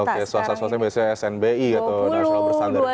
oke swasta swastanya biasanya snbi gitu